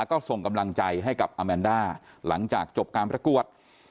ก็ส่งกำลังใจให้กับอาแมนด้าหลังจากจบการประกวด